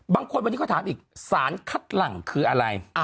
บางคนวันนี้เขาถามอีกสารคัดหลังคืออะไร